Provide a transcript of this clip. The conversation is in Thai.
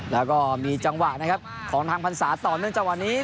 แล้วก็มีจังหวะของพันษาต่อเนื่องจากวันนี้